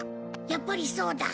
やっぱりそうだ！